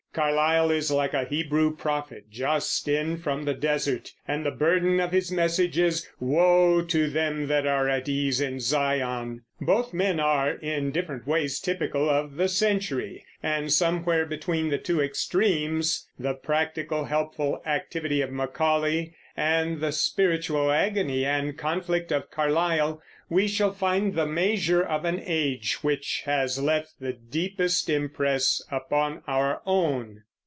Carlyle is like a Hebrew prophet just in from the desert, and the burden of his message is, "Woe to them that are at ease in Zion!" Both men are, in different ways, typical of the century, and somewhere between the two extremes the practical, helpful activity of Macaulay and the spiritual agony and conflict of Carlyle we shall find the measure of an age which has left the deepest impress upon our own.